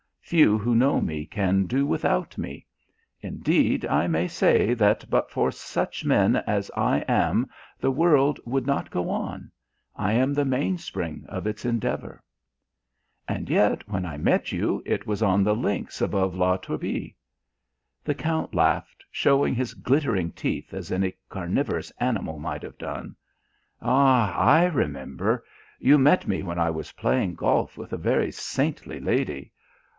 Few who know me can do without me; indeed, I may say that but for such men as I am the world would not go on. I am the mainspring of its endeavour." "And yet when I met you it was on the links above La Turbie." The count laughed, showing his glittering teeth as any carnivorous animal might have done. "Ah, I remember. You met me when I was playing golf with a very saintly lady.